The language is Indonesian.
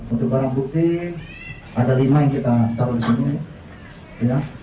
untuk barang bukti ada lima yang kita taruh disini